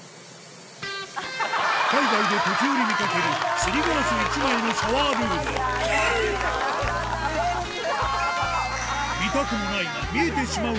海外で時折見かけるすりガラス１枚のシャワールームこれ嫌！